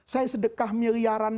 saya sedekah miliaran